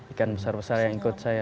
ikan besar besar yang ikut saya